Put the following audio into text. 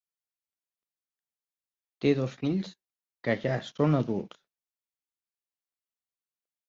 Té dos fills que ja són adults.